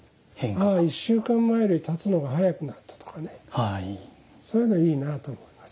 まあ１週間前より立つのが速くなったとかねそういうのいいなと思いますね。